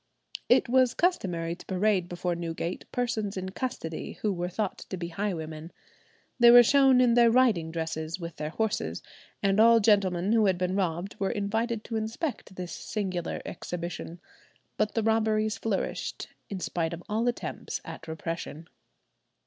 It was customary to parade before Newgate persons in custody who were thought to be highwaymen. They were shown in their riding dresses with their horses, and all gentlemen who had been robbed were invited to inspect this singular exhibition. But the robberies flourished in spite of all attempts at repression.